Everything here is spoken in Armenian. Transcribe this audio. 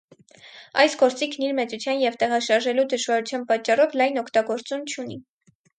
Այս գործիքն իր մեծության և տեղաշարժելու դժվարության պատճառով լայն օգտագործում չունի։